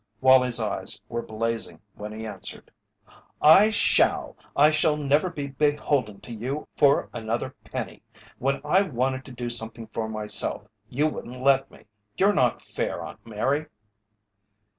Wallie's eyes were blazing when he answered: "I shall! I shall never be beholden to you for another penny. When I wanted to do something for myself you wouldn't let me. You're not fair, Aunt Mary!"